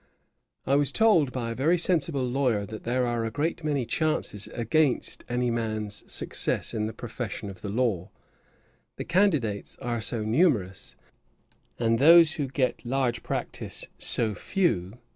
I was told, by a very sensible lawyer, that there are a great many chances against any man's success in the profession of the law; the candidates are so numerous, and those who get large practice so few.